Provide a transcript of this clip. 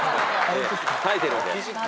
耐えてるんで。